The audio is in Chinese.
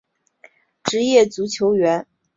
职业足球员全国联盟共同创立。